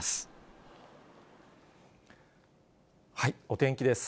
お天気です。